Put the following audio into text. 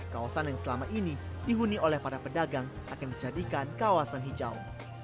kawasan yang selama ini dihuni oleh para pedagang akan dijadikan kawasan hijau